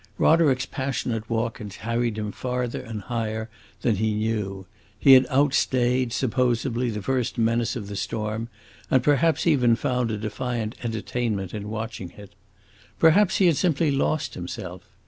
Roderick's passionate walk had carried him farther and higher than he knew; he had outstayed, supposably, the first menace of the storm, and perhaps even found a defiant entertainment in watching it. Perhaps he had simply lost himself.